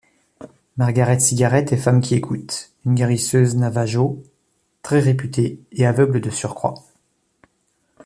Margaret Cigaret est Femme-qui-écoute, une guérisseuse navajo, très réputée et aveugle de surcroît.